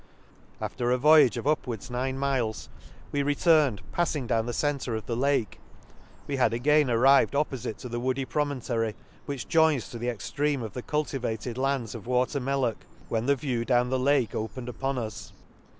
— After a voyage of upwards nine miles we returned, palling down the cen tre of the Lake. We had again arrived oppofite to the woody promontary, which joins to the extreme of the cultivated lands of Water Mellock, when the view down the Lake opened upon us.